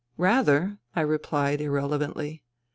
"Rather!" I replied irrelevantly.